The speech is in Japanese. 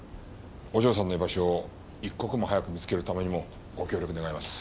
お嬢さんの居場所を一刻も早く見つけるためにもご協力願います。